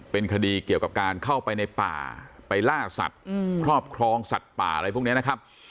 เป็นคดีเกี่ยวกับการเข้าไปในป่าไปล่าสัตว์ครอบครองสัตว์ป่าอะไรพวกนี้นะครับ